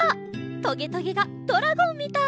トゲトゲがドラゴンみたい！